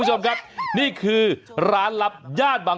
โอเคครับ